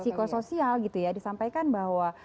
psikosoial gitu ya disampaikan bahwa